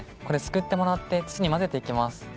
これすくってもらって土にまぜていきます。